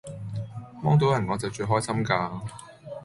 幫倒人我就最開心㗎